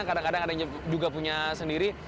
ada yang juga punya sendiri